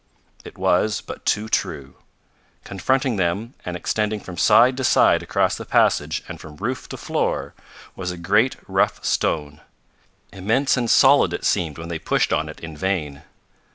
It was but too true. Confronting them, and extending from side to side across the passage and from roof to floor, was a great rough stone. Immense and solid it seemed when they pushed on it in vain.